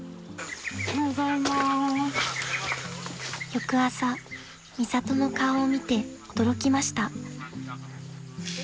［翌朝ミサトの顔を見て驚きました］